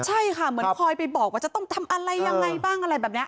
ใช่ค่ะเหมือนคอยไปบอกว่าจะต้องทำอะไรยังไงบ้างอะไรแบบนี้